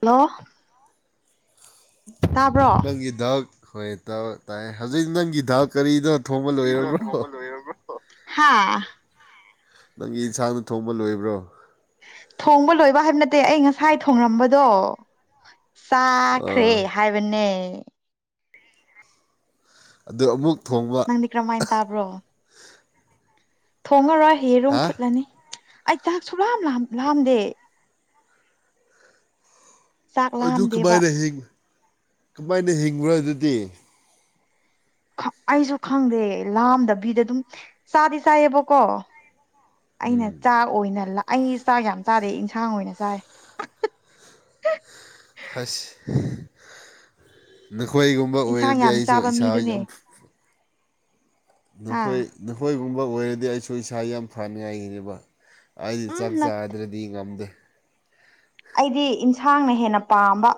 hello ꯇꯥꯕ꯭ꯔꯣ ꯅꯪꯒꯤ ꯗꯥꯛ ꯍꯣꯏ ꯇ ꯇꯥꯏ ꯍꯧꯖꯤꯛ ꯅꯪꯒꯤ ꯗꯥꯛ ꯀꯔꯤꯅ ꯊꯣꯕ ꯂꯣꯏꯔꯕ꯭ꯔꯣ ꯍꯥꯥ ꯑꯃ ꯂꯣꯏꯕ꯭ꯔꯣ ꯊꯣꯡꯕ ꯂꯣꯏꯕ ꯍꯥꯏꯕ ꯅꯠꯇꯦ ꯑꯩ ꯉꯁꯥꯏ ꯊꯣꯡꯂꯝꯕꯗꯣ ꯆꯥꯈ꯭ꯔꯦ ꯑꯥ ꯍꯥꯏꯕꯅꯦ ꯑꯗ ꯑꯃꯨꯛ ꯊꯣꯡꯕ ꯅꯪꯗꯤ ꯀꯔꯝꯍꯥꯏꯅ ꯇꯥꯕ꯭ꯔꯣ ꯊꯣꯡꯉꯔꯣꯏ ꯌꯦꯔꯨꯝ ꯍꯥ ꯐꯨꯠꯂꯅꯤ ꯑꯩ ꯆꯥꯛ ꯁꯨꯂꯥꯝ ꯂꯥꯝꯗꯦ ꯆꯥꯛ ꯑꯗꯨ ꯂꯥꯝꯗꯦꯕ ꯀꯃꯥꯏꯅ ꯀꯃꯥꯏꯅ ꯍꯤꯡꯕꯔ ꯑꯗꯨꯗꯤ ꯑꯩꯁꯨ ꯈꯪꯗꯦ ꯂꯥꯝꯗꯕꯤꯗ ꯑꯗꯨꯝ ꯆꯥꯗꯤ ꯆꯥꯏꯌꯦꯕꯀꯣ ꯑꯩꯅ ꯆꯥ ꯑꯣꯏꯅ ꯂꯥꯛ ꯑꯩ ꯆꯥꯛ ꯌꯥꯝ ꯆꯥꯗꯦ ꯏꯟꯁꯥꯡ ꯑꯣꯏꯅ ꯆꯥꯏ ꯍꯁ ꯅꯈꯣꯏꯒꯨꯝꯕ ꯏꯟꯁꯥꯡ ꯑꯣꯏꯔꯗꯤ ꯌꯥꯝ ꯑꯩꯁꯨ ꯆꯥꯕ ꯏꯁꯥ ꯃꯤꯗꯨꯅꯦ ꯌꯥꯝ ꯍꯥ ꯅꯈꯣꯏ ꯅꯈꯣꯏꯒꯨꯝꯕ ꯑꯣꯏꯔꯗꯤ ꯑꯩꯁꯨ ꯏꯁꯥ ꯌꯥꯝ ꯐꯅꯤꯡꯉꯥꯏꯒꯤꯕ ꯑꯩꯗꯤ ꯆꯥꯛ ꯎꯝ ꯆꯥꯗ꯭ꯔꯗꯤ ꯉꯝꯗꯦ ꯑꯩꯗꯤ ꯏꯟꯁꯥꯡꯅ ꯍꯦꯟꯅ ꯄꯥꯝꯕ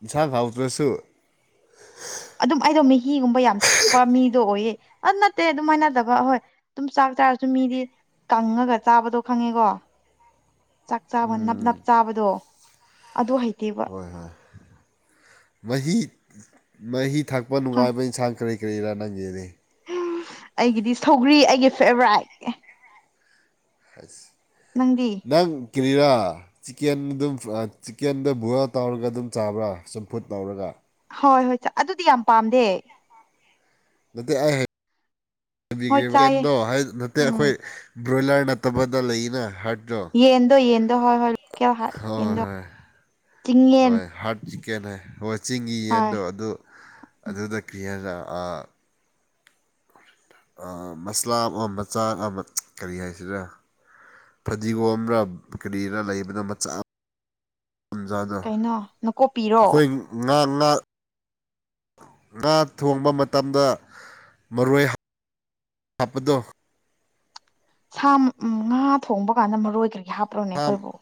ꯑꯦꯟꯁꯥꯡ ꯍꯥꯎꯗ꯭ꯔꯁꯨ ꯑꯗꯨꯝ ꯑꯩꯗꯣ ꯃꯥꯍꯤꯒꯨꯝꯕ ꯌꯥꯝ ꯊꯛꯄ ꯃꯤꯗꯣ ꯑꯣꯏꯌꯦ ꯑꯗꯨ ꯅꯠꯇꯦ ꯑꯗꯨꯃꯥꯏꯅꯠꯇꯕ ꯑꯍꯣꯏ ꯑꯗꯨꯝ ꯆꯥꯛ ꯆꯥꯔꯁꯨ ꯃꯤꯗꯤ ꯀꯪꯉꯒ ꯆꯥꯕꯗꯣ ꯈꯪꯉꯦꯀꯣ ꯆꯥꯛ ꯆꯥꯕ ꯅꯞ ꯅꯞ ꯆꯥꯕꯗꯣ ꯑꯗꯨ ꯍꯩꯇꯦꯕ ꯍꯣꯏ ꯍꯣꯏ ꯃꯍꯤ ꯃꯍꯤ ꯊꯛꯄ ꯍ ꯅꯨꯡꯉꯥꯏꯕ ꯏꯟꯁꯥꯡ ꯀꯔꯤ ꯀꯔꯤꯔꯥ ꯅꯪꯒꯤꯗꯤ ꯑꯩꯒꯤꯗꯤ ꯁꯧꯒ꯭ꯔꯤ ꯑꯩꯒꯤ ꯐꯦꯚꯔꯥꯏꯠ ꯅꯪ ꯀꯦꯔꯤꯔꯥ ꯆꯤꯛꯀꯦꯟ ꯑꯗꯨꯝ ꯆꯤꯀꯦꯟꯗ ꯕꯣꯏꯜ ꯇꯧꯔꯒ ꯑꯗꯨꯝ ꯆꯥꯕ꯭ꯔꯥ ꯆꯝꯐꯨꯠ ꯇꯧꯔꯒ ꯍꯣꯏ ꯍꯣꯏ ꯑꯗꯨꯗꯤ ꯌꯥꯝ ꯄꯥꯝꯗꯦ ꯅꯠꯇꯦ ꯍꯣꯏ ꯆꯥꯏꯌꯦ ꯑꯩꯒꯦꯗꯣ ꯅꯠꯇꯦ ꯎꯝ ꯑꯩꯈꯣꯏ ꯕ꯭ꯔꯣꯏꯂꯔ ꯅꯠꯇꯕꯗ ꯂꯩꯅ ꯍꯠ ꯌꯦꯟꯗꯣ ꯌꯦꯟꯗꯣ ꯍꯣꯏ ꯍꯣꯏ ꯂꯣꯀꯦꯜ ꯍꯥꯔ ꯍꯣꯏ ꯌꯦꯟꯗꯣ ꯍꯣꯏ ꯆꯤꯡꯌꯦꯟ ꯍꯣꯏ ꯍꯥꯔꯠ ꯆꯤꯛꯀꯦꯟ ꯍꯥꯏ ꯍꯣꯏ ꯆꯤꯡꯒꯤ ꯍꯣꯏ ꯌꯦꯟꯗꯣ ꯑꯗꯨ ꯑꯗꯨꯗ ꯀꯔꯤ ꯍꯥꯏꯔ ꯑꯥ ꯃꯁꯂꯥ ꯑꯃ ꯃꯆꯥꯛ ꯑꯃ ꯀꯔꯤ ꯍꯥꯏꯁꯤꯔ ꯐꯗꯤꯒꯣꯝꯔ ꯀꯔꯤꯔꯥ ꯂꯩꯕꯗꯣ ꯃꯆꯥ ꯑꯃ ꯇꯟꯖꯥꯗ ꯀꯩꯅꯣ ꯅꯀꯨꯞꯄꯤꯔꯣ ꯑꯈꯣꯏ ꯉꯥ ꯉꯥ ꯉꯥ ꯊꯣꯡꯕ ꯃꯇꯝꯗ ꯃꯔꯣꯏ ꯍꯦꯞ ꯍꯥꯞꯄꯗꯣ ꯁꯥ ꯉꯥ ꯊꯣꯡꯕ ꯀꯥꯟꯗ ꯃꯔꯣꯏ ꯀꯔꯤ ꯍꯥꯞꯄꯂꯣꯅꯦ ꯉꯥ ꯑꯩꯈꯣꯏꯕꯨ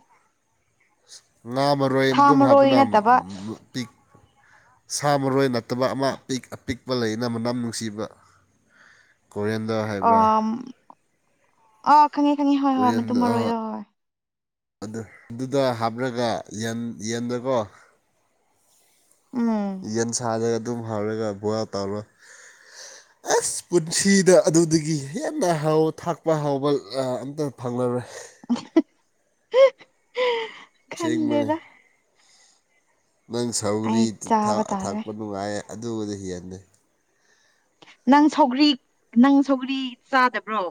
ꯉꯥ ꯃꯔꯣꯏ ꯁꯥ ꯑꯗꯨꯝ ꯃꯔꯣꯏ ꯍꯥꯞꯄꯅꯝ ꯅꯠꯇꯕ ꯄꯤꯛ ꯁꯥ ꯃꯔꯣꯏ ꯅꯠꯇꯕ ꯑꯃ ꯑꯄꯤꯛ ꯑꯄꯤꯛꯄ ꯂꯩꯅ ꯃꯅꯝ ꯅꯨꯡꯁꯤꯕ ꯀꯣꯔꯤꯟꯗ ꯑ ꯍꯥꯏꯕ꯭ꯔꯥ ꯑꯥ ꯈꯪꯉꯤ ꯈꯪꯉꯦ ꯍꯣꯏ ꯍꯣꯏ ꯀꯣꯔꯤꯌꯥꯟ ꯃꯇ ꯃꯔꯣꯏꯗꯣ ꯍꯣꯏ ꯑꯗꯨꯗ ꯍꯥꯞꯂꯒ ꯌꯦꯟ ꯌꯦꯟꯗꯀꯣ ꯎꯝ ꯌꯦꯟ ꯁꯥꯔꯒ ꯑꯗꯨꯝ ꯍꯞꯔꯒ ꯕ꯭ꯣꯌꯜ ꯇꯧꯔ [inaudible] ꯑꯁ ꯄꯨꯟꯁꯤꯗ ꯑꯗꯨꯗꯒꯤ ꯍꯦꯟꯅ ꯍꯥꯎ ꯊꯥꯛꯄ ꯍꯥꯎꯕ ꯑꯝꯇ ꯐꯪꯂꯔꯣꯏ ꯑꯁꯦꯡꯕꯅꯤ ꯈꯪꯗꯦꯗ ꯅꯪ ꯑꯩ ꯁꯧꯒꯔꯤ ꯆꯥꯕ ꯇꯥꯔꯦ ꯑꯊꯥꯛꯄ ꯅꯨꯡꯉꯥꯏ ꯑꯗꯨꯕꯨꯗꯤ ꯍꯦꯟꯅꯩ ꯅꯪ ꯁꯧꯒ꯭ꯔꯤ ꯅꯪ ꯁꯧꯒ꯭ꯔꯤ ꯆꯥꯗꯕ꯭ꯔꯣ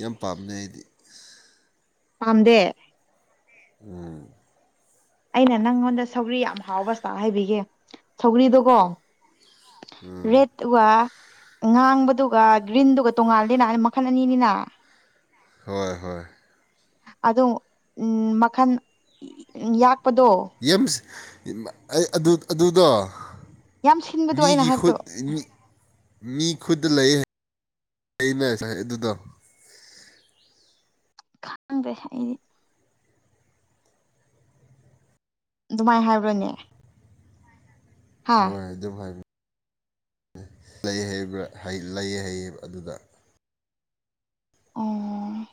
ꯌꯥꯝ ꯄꯥꯝꯅꯩ ꯑꯩꯗꯤ ꯄꯝꯗꯦ ꯎꯝ ꯑꯩꯅ ꯅꯪꯉꯣꯟꯗ ꯁꯧꯒ꯭ꯔꯤ ꯌꯥꯝ ꯍꯥꯎꯕꯁꯇꯥꯥꯛ ꯍꯥꯏꯕꯤꯒꯦ ꯁꯧꯒ꯭ꯔꯤꯗꯣꯀꯣ ꯔꯦꯠ ꯋꯥ ꯉꯥꯡꯕꯗꯨꯒ ꯒ꯭ꯔꯤꯟꯗꯨꯒ ꯇꯣꯡꯉꯥꯜꯂꯦꯅ ꯃꯈꯜ ꯑꯅꯤꯅꯤꯅ ꯍꯣꯏ ꯍꯣꯏ ꯑꯗꯣꯡ ꯎꯝ ꯃꯈꯜ ꯌꯥꯛꯄꯗꯣ ꯌꯥꯝ ꯑꯩ ꯑꯗꯨ ꯑꯗꯨꯗꯣ ꯌꯥꯝ ꯁꯤꯟꯕꯗꯣ ꯑꯩꯅ ꯃꯤꯒꯤ ꯍꯥꯏꯕꯗꯣ ꯈꯨꯠ ꯃꯤ ꯈꯨꯠ ꯂꯩꯌꯦ ꯑꯩꯅ ꯅꯁꯥꯏ ꯑꯗꯨꯗꯣ ꯈꯪꯗꯦ ꯑꯩꯗꯤ ꯑꯗꯨꯃꯥꯏꯅ ꯍꯥꯏꯕ꯭ꯔꯅꯦ ꯍꯣꯏ ꯑꯗꯨꯝ ꯍꯥꯏꯕ ꯂꯩ ꯍꯥꯏꯕꯔꯥ ꯍꯥꯏ ꯂꯩ ꯍꯩꯏ ꯑꯗꯨꯗ ꯑꯣ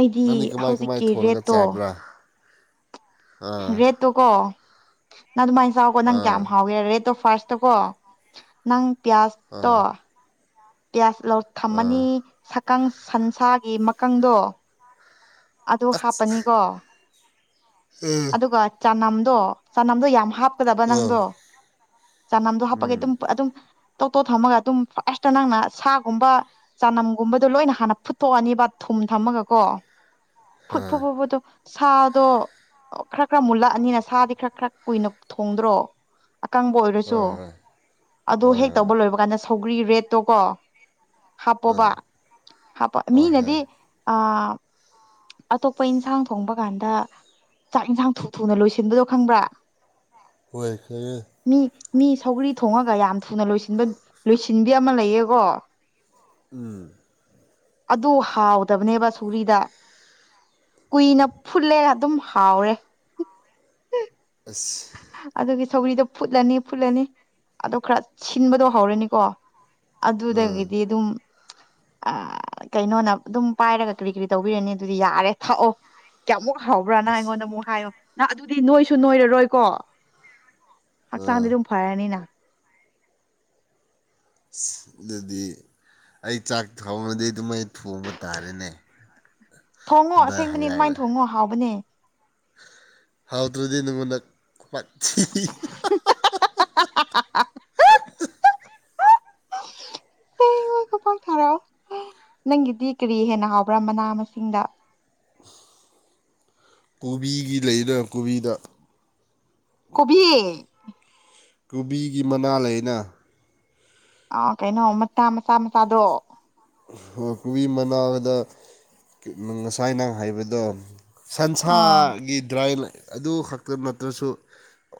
ꯑꯩꯗꯤ ꯅꯪꯗꯤ ꯀꯃꯥꯏ ꯀꯃꯥꯏ ꯍꯧꯖꯤꯛꯀꯤ ꯊꯣꯡꯉꯒ ꯔꯦꯠꯇꯣ ꯆꯥꯕ꯭ꯔꯥ ꯑꯥ ꯔꯦꯠꯇꯣꯀꯣ ꯅꯪ ꯑꯗꯨꯃꯥꯏꯅ ꯆꯥꯎꯀꯣ ꯅꯪ ꯑꯥ ꯀꯌꯥꯝ ꯍꯥꯎꯒꯦ ꯔꯦꯠꯇꯣ ꯐꯥꯔꯁꯇꯣ ꯀꯣ ꯅꯪ ꯄꯤꯌꯥꯁꯇꯣ ꯑꯥ ꯄꯤꯌꯥꯖ ꯂꯧ ꯑꯥ ꯊꯝꯃꯅꯤ ꯊꯀꯪ ꯁꯟꯁꯥꯒꯤ ꯃꯀꯪꯗꯣ ꯑꯗꯨ ꯑꯁ ꯍꯥꯞꯄꯅꯤꯀꯣ ꯎꯝ ꯑꯗꯨꯒ ꯆꯅꯝꯗꯣ ꯆꯅꯝꯗꯣ ꯌꯥꯝ ꯍꯥꯞꯀꯗꯕ ꯑꯥ ꯅꯪꯗꯣ ꯆꯅꯝꯗꯣ ꯍꯥꯞꯄꯒꯤ ꯎꯝ ꯑꯗꯨꯝ ꯑꯗꯨꯝ ꯇꯧ ꯇꯣ ꯊꯝꯃꯒ ꯑꯗꯨꯝ ꯐꯥꯔꯁꯇ ꯅꯪꯅ ꯁꯥꯒꯨꯝꯕ ꯆꯅꯝꯒꯨꯝꯕꯗꯣ ꯂꯣꯏꯅ ꯍꯥꯟꯅ ꯐꯨꯠꯇꯣꯛꯑꯅꯤꯕ ꯊꯨꯝ ꯊꯝꯃꯒ ꯀꯣ ꯐꯨꯠ ꯐꯨ ꯐꯨꯕꯗꯣ ꯁꯥꯗꯣ ꯈꯔ ꯈꯔ ꯃꯨꯜꯂꯛꯑꯅꯤꯅ ꯁꯥꯗꯤ ꯈꯔ ꯈꯔ ꯀꯨꯏꯅ ꯊꯣꯡꯗ꯭ꯔꯣ ꯑꯀꯪꯕ ꯑꯣꯏꯔꯁꯨ ꯍꯣꯏ ꯍꯣꯏ ꯍꯣꯏ ꯑꯗꯣ ꯍꯣꯏ ꯍꯦꯛ ꯇꯧꯕ ꯍꯣꯏ ꯂꯣꯏꯕ ꯀꯥꯟꯗ ꯁꯧꯒ꯭ꯔꯤ ꯔꯦꯠꯇꯣ ꯀꯣ ꯍꯥꯞꯄꯣꯕ ꯑꯥ ꯍꯥꯞꯄ ꯑꯣ ꯍꯦ ꯃꯤꯅꯗꯤ ꯑꯥ ꯑꯇꯣꯞꯄ ꯏꯟꯁꯥꯡ ꯊꯣꯡꯕ ꯀꯥꯟꯗ ꯆꯥꯛ ꯏꯟꯁꯥꯡ ꯊꯨ ꯊꯨꯅ ꯂꯣꯏꯁꯤꯟꯕꯗꯣ ꯈꯪꯕ꯭ꯔꯥ ꯃꯤ [unintelligible] ꯃꯤ ꯁꯧꯒ꯭ꯔꯤ ꯊꯣꯡꯉꯒ ꯌꯥꯝ ꯊꯨꯅ ꯂꯣꯏꯁꯟ ꯂꯣꯏꯁꯤꯟꯕꯤ ꯑꯃ ꯂꯩꯌꯦꯀꯣ ꯎꯝ ꯑꯗꯨ ꯍꯥꯎꯗꯕꯅꯦꯕ ꯁꯨꯒ꯭ꯔꯤꯗ ꯀꯨꯏꯅ ꯐꯨꯠꯂꯦ ꯑꯗꯨꯝ ꯍꯥꯎꯔꯦ ꯑꯁ ꯑꯗꯨꯒꯤ ꯁꯧꯒꯔꯤꯗꯣ ꯐꯨꯠꯂꯅꯤ ꯐꯨꯠꯂꯅꯤ ꯑꯗꯣ ꯈꯔ ꯁꯤꯟꯕꯗꯣ ꯍꯧꯔꯅꯤꯀꯣ ꯑꯥ ꯑꯗꯨꯗꯒꯤꯗꯤ ꯑꯗꯨꯝ ꯑ ꯀꯩꯅꯣꯅ ꯑꯗꯨꯝ ꯄꯥꯏꯔꯒ ꯀꯔꯤ ꯀꯔꯤ ꯇꯧꯕꯤꯔꯅꯤ ꯑꯗꯨꯗꯤ ꯌꯥꯔꯦ ꯊꯥꯛꯑꯣ ꯀꯌꯥꯃꯨꯛ ꯍꯥꯎꯕ꯭ꯔ ꯅ ꯑꯁ ꯑꯩꯉꯣꯟꯗ ꯑꯃꯨꯛ ꯍꯥꯏꯌꯣ ꯅ ꯑꯗꯨꯗꯤ ꯅꯣꯏꯁꯨ ꯅꯣꯏꯔꯔꯣꯏꯀꯣ ꯑꯥ ꯍꯛꯆꯥꯡꯗꯤ ꯑꯗꯨꯝ ꯐꯔꯅꯤꯅ ꯑꯗꯨꯗꯤ ꯑꯩ ꯆꯥꯛ ꯊꯣꯡꯉꯗꯤ ꯑꯗꯨꯃꯥꯏ ꯊꯣꯡꯕ ꯇꯥꯔꯦꯅꯦ ꯊꯣꯡꯉꯣ ꯍꯟꯗꯛ ꯑꯁꯦꯡꯕꯅꯦ ꯑꯗꯨꯃꯥꯏꯅ ꯍꯜꯂꯛꯑꯒ ꯊꯣꯡꯉꯣ ꯍꯥꯎꯕꯅꯦ ꯍꯥꯎꯗ꯭ꯔꯗꯤ ꯅꯪꯉꯣꯟꯗ ꯋꯥꯊꯤꯗꯤ ꯍ [inaudible] ꯊꯥꯔꯛꯑꯣ ꯅꯪꯒꯤꯗꯤ ꯀꯔꯤ ꯍꯦꯟꯅ ꯍꯥꯎꯕ꯭ꯔꯥ ꯃꯅꯥ ꯃꯁꯤꯡꯗ [inaudible] ꯀꯣꯕꯤꯒꯤ ꯂꯩꯅ ꯀꯣꯕꯤꯗ ꯀꯣꯕꯤ ꯀꯣꯕꯤꯒꯤ ꯃꯅꯥ ꯂꯩꯅ ꯑ ꯀꯩꯅꯣ ꯃꯆꯥ ꯃꯆꯥ ꯃꯆꯥꯗꯣ ꯀꯨꯕꯤ ꯃꯅꯥꯗ ꯉꯁꯥꯏ ꯅꯪ ꯍꯥꯏꯕꯗꯣ ꯑꯥ ꯁꯟꯁꯥꯒꯤ ꯗ꯭ꯔꯥꯏꯟ ꯑꯗꯨ ꯈꯛꯇ ꯅꯠꯇ꯭ꯔꯁꯨ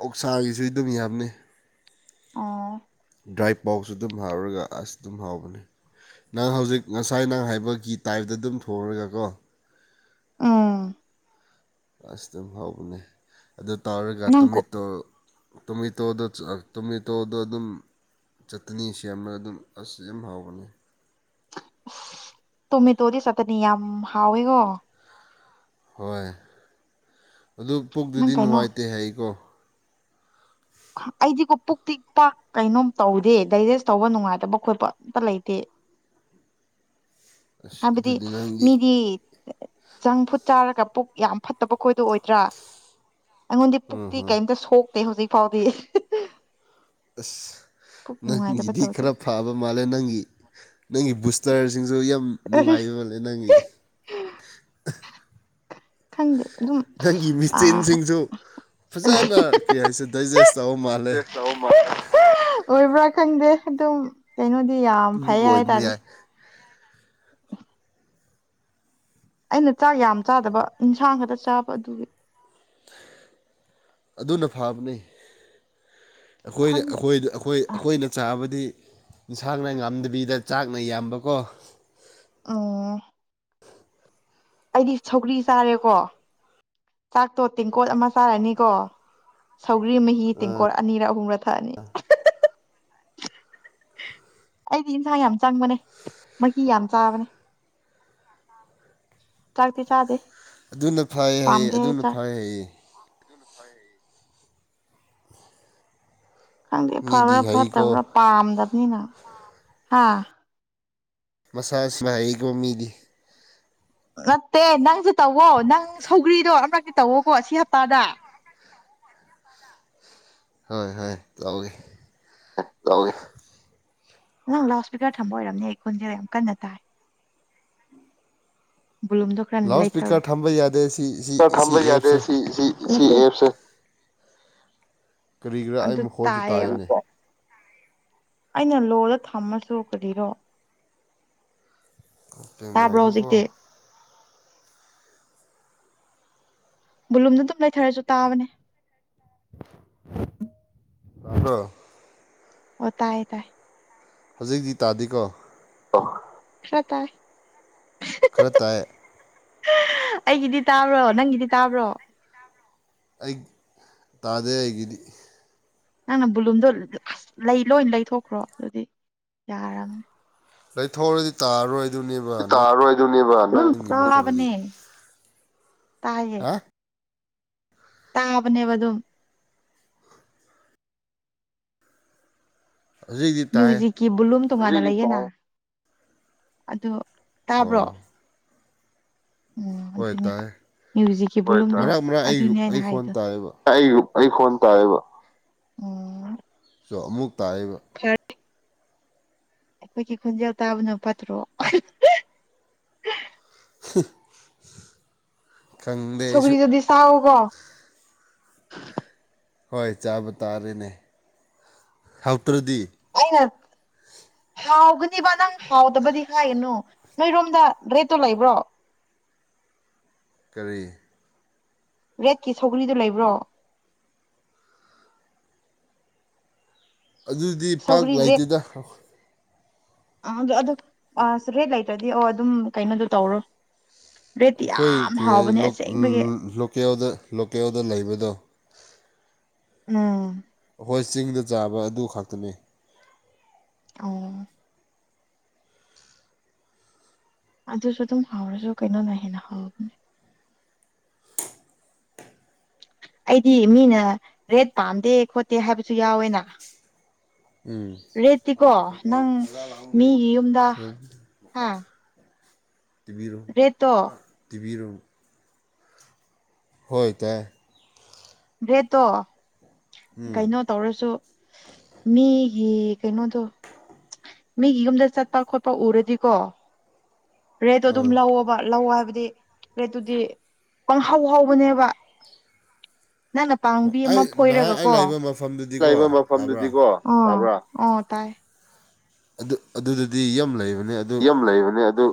ꯑꯣꯛꯁꯥꯒꯤꯁꯨ ꯑꯗꯨꯝ ꯌꯥꯝꯅꯤ ꯑꯥ ꯗ꯭ꯔꯥꯏ ꯄꯥꯎꯁꯨ ꯑꯗꯨꯝ ꯍꯥꯎꯔꯒ ꯑꯁ ꯑꯗꯨꯝ ꯍꯥꯎꯕꯅꯦ ꯅꯪ ꯍꯧꯖꯤꯛ ꯉꯁꯥꯏ ꯅꯪ ꯍꯥꯏꯕꯛꯀꯤ ꯇꯥꯏꯞꯇ ꯑꯗꯨꯝ ꯊꯣꯛꯔꯒ ꯀꯣ ꯎꯝ ꯑꯁ ꯑꯗꯨꯝ ꯍꯧꯕꯅꯦ ꯑꯗꯨ ꯇꯧꯔꯒ ꯅꯪ ꯇꯣꯃꯦꯇꯣ ꯇꯣꯃꯦꯇꯣꯗ ꯇꯣꯃꯦꯇꯣꯗ ꯑꯗꯨꯝ ꯆꯇꯅꯤ ꯁꯦꯝꯅ ꯑꯗꯨꯝ ꯑꯁ ꯌꯥꯝ ꯍꯥꯎꯕꯅꯤ ꯇꯣꯃꯦ ꯇꯣꯗꯤ ꯆꯠꯇꯅꯤ ꯌꯥꯝ ꯍꯥꯎꯋꯦꯀꯣ ꯍꯣꯏ ꯑꯗꯨ ꯅꯪ ꯄꯨꯛꯛꯇꯨꯗꯤ ꯀꯩꯅꯣ ꯅꯨꯡꯉꯥꯏꯇꯦ ꯍꯥꯏꯀꯣ ꯑꯩꯗꯤꯀꯣ ꯄꯨ ꯇꯤꯛꯇ ꯀꯩꯅꯣꯝ ꯇꯧꯗꯦ ꯗꯥꯏꯖꯦꯁ ꯇꯧꯕ ꯅꯨꯡꯉꯥꯏꯇꯕ ꯈꯣꯠꯄ ꯑꯝꯇ ꯂꯩꯇꯦ ꯑꯁ ꯍꯥꯏꯕꯗꯤ ꯑꯗꯨꯗꯤ ꯅꯪꯗꯤ ꯃꯤꯗꯤ ꯖꯪ ꯐꯨꯗ ꯆꯥꯔꯒ ꯄꯨꯛ ꯌꯥꯝ ꯐꯠꯇꯕ ꯈꯈꯣꯏꯗ ꯑꯣꯏꯗ꯭ꯔꯥ ꯑꯩꯉꯣꯟꯗꯤ ꯎꯝ ꯄꯨꯛꯇꯤ ꯍꯝ ꯀꯩꯝꯇ ꯁꯣꯛꯇꯦ ꯍꯧꯖꯤꯛ ꯐꯥꯎꯗꯤ ꯑꯁ ꯄꯨꯛ ꯅꯨꯡꯉꯥꯏꯇꯕ ꯅꯪꯒꯤꯗꯤ ꯇꯧꯗꯦ ꯈꯔ ꯐꯥꯕ ꯃꯥꯜꯂꯦ ꯅꯪꯒꯤ ꯅꯪꯒꯤꯕꯨ ꯇ꯭ꯔꯁꯤꯡꯁꯨ ꯌꯥꯝ ꯅꯨꯡꯉꯥꯏꯕ ꯃꯥꯜꯂꯦ ꯅꯪꯒꯤ ꯈꯪꯗꯦ ꯑꯗꯨꯝ ꯅꯪꯒꯤ ꯃꯦꯆꯤꯟꯁꯤꯡꯁꯨ ꯐꯖꯅ ꯀꯩ ꯍꯥꯏꯁꯦ ꯗꯥꯏꯖꯦꯁ ꯇꯧꯕ ꯃꯥꯜꯂꯦ ꯑꯣꯏꯕ꯭ꯔꯥ ꯈꯪꯗꯦ ꯑꯗꯨꯝ ꯀꯩꯅꯣꯗꯤ ꯌꯥꯝ ꯑꯗꯨꯝ ꯐꯩ ꯑꯣꯏꯕ ꯍꯥꯏꯇꯥꯔꯦ ꯌꯥꯏ ꯑꯩꯅ ꯆꯥꯛ ꯌꯥꯝ ꯆꯥꯗꯕ ꯏꯟꯁꯥꯡ ꯈꯛꯇ ꯆꯥꯕ ꯑꯗꯨꯒꯤ ꯑꯗꯨꯅ ꯐꯕꯅꯤ ꯑꯩꯈꯣꯏꯅ ꯈꯪꯗꯦ ꯑꯩꯈꯣꯏꯗ ꯑꯩꯈꯣꯏ ꯑꯩꯈꯣꯏꯅ ꯆꯥꯕꯗꯤ ꯏꯟꯁꯥꯡꯅ ꯉꯝꯗꯕꯤꯗ ꯆꯥꯛꯅ ꯌꯥꯝꯕꯀꯣ ꯑꯣ ꯑꯩꯗꯤ ꯁꯧꯒ꯭ꯔꯤ ꯆꯥꯔꯦꯀꯣ ꯆꯥꯛꯇꯣ ꯇꯦꯡꯀꯣꯠ ꯑꯃ ꯆꯥꯔꯅꯤꯀꯣ ꯁꯧꯒ꯭ꯔꯤ ꯃꯍꯤ ꯇꯦꯡꯀꯣꯜ ꯑꯅꯤꯔ ꯑꯍꯨꯝꯔ ꯊꯛꯑꯅꯤ ꯑꯩꯗꯤ ꯏꯟꯁꯥꯡ ꯌꯥꯝ ꯆꯪꯕꯅꯦ ꯃꯍꯤ ꯌꯥꯝ ꯆꯥꯕꯅꯦ ꯆꯥꯛꯇꯤ ꯆꯥꯗꯦ ꯑꯗꯨꯅ ꯐꯩ ꯍꯥꯏꯌꯦ ꯑꯗꯨꯅ ꯐꯩ ꯍꯥꯏꯌꯦ ꯑꯗꯨꯅ ꯐꯩ ꯍꯥꯏꯌꯦ ꯈꯪꯗꯦ ꯃꯤꯗꯤ ꯐꯕ꯭ꯔꯥ ꯍꯩꯀꯣ ꯐꯠꯇꯕ꯭ꯔꯥ ꯄꯥꯝꯗꯕꯅꯤꯅ ꯍꯥ ꯃꯁꯥ ꯏꯁꯃꯥꯏꯀꯣ ꯃꯤꯗꯤ ꯅꯠꯇꯦ ꯅꯪꯁꯨ ꯇꯧꯋꯣ ꯅꯪ ꯁꯧꯒ꯭ꯔꯤꯗꯣ ꯑꯃꯂꯛꯇꯤ ꯇꯧꯋꯣꯀꯣ ꯁꯤ ꯍꯞꯇꯥꯗ ꯍꯣꯏ ꯍꯣꯏ ꯇꯧꯒꯦ ꯑꯦ ꯇꯧꯒꯦ ꯅꯪ ꯂꯥꯎꯠ ꯏꯁꯄꯤꯀꯔ ꯊꯝꯕ ꯑꯣꯏꯔꯝꯅꯦ ꯑꯩ ꯈꯣꯟꯖꯦꯜ ꯌꯥꯝ ꯀꯟꯅ ꯇꯥꯏ ꯚꯣꯂꯨꯝꯗꯣ ꯈꯔ ꯂꯥꯎꯠ ꯂꯩꯊꯔꯣ ꯏꯁꯄꯤꯀꯔ ꯊꯝꯕ ꯌꯥꯗꯦ ꯁꯤ ꯁꯤ ꯂꯥꯎꯠ ꯁꯤ ꯊꯝꯕ ꯌꯥꯗꯦ ꯑꯦꯞꯁꯦ ꯁꯤ ꯁꯤ ꯁꯤꯑꯦꯞꯁꯦ [inaudible] ꯀꯔꯤꯒꯤꯔꯥ ꯑꯩ ꯃꯈꯣꯟꯁꯨ ꯇꯥꯏꯅꯦ ꯑꯩꯅ ꯂꯣꯗ ꯊꯝꯃꯁꯨ ꯀꯔꯤꯔꯣ ꯉꯥꯛꯇꯪ ꯇꯥꯕ꯭ꯔꯣ ꯉꯥꯏꯈꯣꯀꯣ ꯍꯧꯖꯤꯛꯇꯤ ꯚꯣꯂꯨꯝꯗꯣ ꯑꯗꯨꯝ ꯂꯩꯊꯔꯁꯨ ꯇꯥꯕꯅꯦ ꯇꯥꯕ꯭ꯔꯣ ꯑꯣ ꯇꯥꯏ ꯇꯥꯏ ꯍꯧꯖꯤꯛꯇꯤ ꯇꯥꯗꯦꯀꯣ ꯑꯣ ꯈꯔ ꯇꯥꯏ ꯈꯔ ꯇꯥꯏ ꯑꯩꯒꯤꯗꯤ ꯇꯥꯕ꯭ꯔꯣ ꯅꯪꯒꯤꯗꯤ ꯇꯥꯕ꯭ꯔꯣ ꯑꯩ ꯇꯥꯗꯦ ꯑꯩꯒꯤꯗꯤ ꯅꯪꯅ ꯕꯨꯂꯨꯝꯗꯣ ꯑꯁ ꯂꯩ ꯂꯣꯏ ꯂꯩꯊꯣꯛꯈ꯭ꯔꯣ ꯑꯗꯨꯗꯤ ꯌꯥꯔꯕꯅꯤ ꯂꯩꯊꯣꯛꯔꯗꯤ ꯇꯥꯔꯣꯏ ꯇꯥꯔꯣꯏꯗꯨꯅꯦꯕ ꯑꯗꯨꯝ ꯃꯈꯣꯟꯗꯤ ꯇꯥꯕꯅꯦ ꯇꯥꯏꯌꯦ ꯍꯥ ꯇꯥꯕꯅꯦꯕꯑꯗꯨꯝ ꯍꯧꯖꯤꯛꯇꯤ ꯇꯥꯏ ꯃ꯭ꯌꯨꯖꯤꯛꯀꯤ ꯕꯣꯂꯨꯝ ꯇꯣꯉꯥꯟꯅ ꯂꯩꯌꯦꯅ ꯑꯗꯣ ꯑꯣ ꯇꯥꯕ꯭ꯔꯣ ꯎꯝ ꯍꯣꯏ ꯑꯗꯨꯅꯦ ꯇꯥꯏ ꯃ꯭ꯌꯨꯖꯤꯛꯀꯤ ꯚꯣꯂꯨꯝ ꯍꯣꯏ ꯇꯥꯏꯌꯦ ꯃꯔꯛ ꯃꯔꯛ ꯑꯩ ꯑꯗꯨꯅꯦ ꯍꯥꯏꯅ ꯑꯩ ꯈꯣꯟ ꯍꯥꯏꯗꯣ ꯇꯥꯏꯌꯦꯕ ꯇꯥꯏꯌꯦ ꯑꯩ ꯐꯣꯟ ꯇꯥꯏꯌꯦꯕ ꯇꯣ ꯑꯃꯨꯛ ꯇꯥꯏꯌꯦꯕ ꯐꯔꯦ ꯑꯩꯈꯣꯏꯒꯤ ꯈꯣꯟꯖꯦꯜ ꯇꯥꯕꯅ ꯐꯠꯇ꯭ꯔꯣ ꯍ ꯁꯧꯒ꯭ꯔꯤꯗꯨꯗꯤ ꯆꯥꯎꯑꯣꯀꯣ ꯍꯣꯏ ꯆꯥꯕ ꯇꯥꯔꯦꯅꯦ ꯍꯥꯎꯇ꯭ꯔꯗꯤ ꯑꯩꯅ ꯍꯥꯎꯒꯅꯤꯕ ꯅꯪ ꯍꯥꯎꯗꯕꯗꯤ ꯍꯥꯏꯒꯅꯨ ꯅꯣꯏꯔꯣꯝꯗ ꯔꯦꯠꯇꯣ ꯂꯩꯕ꯭ꯔꯣ ꯀꯔꯤ ꯔꯦꯠꯀꯤ ꯁꯧꯒꯔꯤꯗꯣ ꯂꯩꯕ꯭ꯔꯣ ꯑꯗꯨꯗꯤ ꯄꯥꯥꯛ ꯂꯩꯥꯇꯦꯗ ꯑ ꯑꯥꯗ ꯑꯗꯨ ꯑꯥꯁ ꯔꯦꯠ ꯂꯩꯇ꯭ꯔꯗꯤ ꯑꯣ ꯑꯗꯨꯝ ꯀꯩꯅꯣꯗꯣ ꯇꯧꯔꯣ ꯔꯦꯠꯇꯤ ꯑꯩꯈꯣꯏ ꯌꯥꯝ ꯀꯔꯤ ꯍꯥꯏ ꯍꯥꯎꯕꯅꯦ ꯂꯣꯛ ꯂꯣ ꯑꯁꯦꯡꯕꯒꯤ ꯂꯣꯀꯦꯜꯗ ꯂꯣꯀꯦꯜꯗ ꯂꯩꯕꯗꯣ ꯎꯝ ꯍꯣꯏ ꯆꯤꯡꯗ ꯆꯥꯕ ꯑꯗꯨ ꯈꯛꯇꯅꯤ ꯑꯣ ꯑꯗꯨꯁꯨ ꯑꯗꯨꯝ ꯍꯥꯎꯔꯁꯨ ꯀꯩꯅꯣꯅ ꯍꯦꯟꯅ ꯍꯥꯎꯕꯅꯦ ꯑꯩꯗꯤ ꯃꯤꯅ ꯔꯦꯠ ꯄꯥꯝꯗꯦ ꯈꯣꯠꯇꯦ ꯍꯥꯏꯕꯁꯨ ꯌꯥꯎꯋꯦꯅ ꯎꯝ ꯔꯦꯠꯇꯤꯀꯣ ꯅꯪ ꯃꯤꯒꯤ ꯌꯨꯝꯗ [unintelligible] [inaudible] ꯇꯤꯚꯤꯔꯣ ꯔꯦꯠꯇꯣ ꯑ ꯇꯤꯚꯤꯔꯣ ꯍꯣꯏ ꯇꯥꯏ ꯔꯦꯠꯇꯣ ꯀꯩꯅꯣ ꯇꯧꯔꯁꯨ ꯃꯤꯒꯤ ꯀꯩꯅꯣꯗꯣ ꯃꯤꯒꯤ ꯌꯨꯝꯗ ꯆꯠꯄ ꯈꯣꯠꯄ ꯎꯔꯗꯤꯀꯣ ꯔꯦꯠꯇꯣ ꯑꯗꯨꯝ ꯑꯥ ꯂꯧꯑꯣꯕ ꯂꯧꯑꯣ ꯍꯥꯏ ꯕꯗꯤ ꯔꯦꯠꯇꯨꯗꯤ ꯄꯪ ꯍꯧ ꯍꯧꯕꯅꯦꯕ ꯅꯪꯅ ꯄꯥꯝꯕꯤ ꯑꯩ ꯑꯃ ꯅꯍꯥꯟ ꯐꯣꯏꯔꯒ ꯑꯩ ꯀꯣ ꯂꯩꯕ ꯃꯐꯝꯗꯨꯗꯤꯀꯣ ꯂꯩꯕ ꯇꯥꯕ꯭ꯔꯥ ꯃꯐꯝꯗꯨꯗꯤꯀꯣ ꯑ ꯇꯥꯕ꯭ꯔꯥ ꯑꯣ ꯇꯥꯏ ꯑꯗꯨ ꯑꯗꯨꯗꯗꯤ ꯌꯥꯝ ꯂꯩꯕꯅꯤ ꯌꯥꯝ ꯂꯩꯕꯅꯦ ꯑꯗꯨ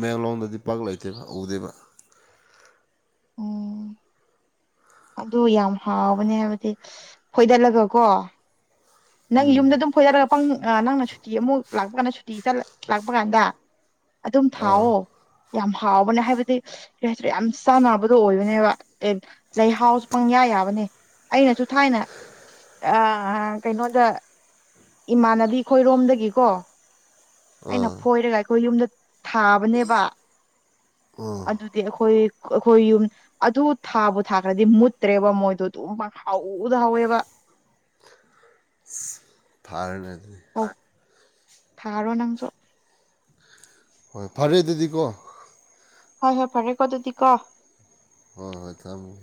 ꯃꯌꯥꯡꯂꯣꯡꯗꯗꯤ ꯄꯥꯛ ꯂꯩꯇꯦꯕ ꯎꯗꯦꯕ ꯎꯝ ꯑꯗꯨ ꯌꯥꯝ ꯍꯥꯎꯕꯅꯦ ꯍꯥꯏꯕꯗꯤ ꯐꯣꯏꯗꯠꯂꯒꯀꯣ ꯅꯪ ꯌꯨꯝꯗ ꯑꯗꯨꯝ ꯐꯣꯏꯗꯠꯂꯒ ꯄꯪ ꯑ ꯅꯪꯅ ꯁꯨꯇꯤ ꯑꯃꯨꯛ ꯂꯥꯛꯄ ꯀꯥꯟꯗ ꯁꯨꯇꯤ ꯆꯠꯂ ꯂꯥꯛꯄ ꯀꯥꯟꯗ ꯑꯗꯨꯝ ꯑꯥ ꯊꯥꯎꯑꯣ ꯌꯥꯝ ꯍꯥꯎꯕꯅꯦ ꯍꯥꯏꯕꯗꯤ ꯀꯩꯍꯥꯏꯁꯤꯔ ꯌꯥꯝ ꯆꯥꯟꯅꯕꯗꯣ ꯑꯣꯏꯕꯅꯦꯕ ꯀꯩ ꯂꯩꯍꯥꯎ ꯄꯪꯌꯥ ꯌꯥꯏ ꯌꯥꯕꯅꯦ ꯑꯩꯅꯁꯨ ꯊꯥꯏꯅ ꯑꯥ ꯀꯩꯅꯣꯗ ꯏꯃꯥꯟꯅꯕꯤ ꯈꯣꯏꯔꯣꯝꯗꯒꯤꯀꯣ ꯑꯩꯅ ꯑꯥ ꯐꯣꯏꯔꯒ ꯑꯩꯈꯣꯏ ꯌꯨꯝꯗ ꯊꯥꯕꯅꯦꯕ ꯑꯗꯨꯗꯤ ꯑꯩꯈꯣꯏ ꯑꯩꯈꯣꯏ ꯌꯨꯝ ꯑꯗꯨ ꯊꯥꯕꯨ ꯊꯥꯈ꯭ꯔꯗꯤ ꯃꯨꯠꯇ꯭ꯔꯦꯕ ꯃꯣꯏꯗꯣ ꯑꯗꯨꯝ ꯄꯪꯍꯧꯗ ꯍꯥꯎꯋꯦꯕ [inaudible] ꯊꯥꯔꯅꯦ ꯑꯧ ꯊꯥꯔꯣ ꯅꯪꯁꯨ ꯍꯣꯏ ꯐꯔꯦ ꯑꯗꯨꯗꯤꯀꯣ ꯍꯣꯏ ꯍꯣꯏ ꯐꯔꯦꯀꯣ ꯑꯗꯨꯗꯤ ꯀꯣ ꯍꯣꯏ ꯍꯣꯏ ꯊꯝ ꯎꯝ